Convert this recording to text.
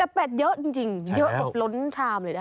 แต่เป็ดเยอะจริงเยอะอบร้นทามเลยได้